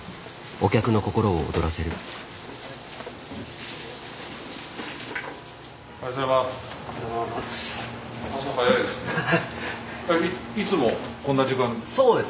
おはようございます。